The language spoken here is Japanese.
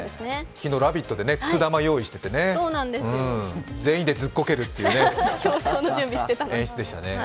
昨日「ラヴィット！」でくす玉用意しててね、全員でずっこけるっていう演出でしたね。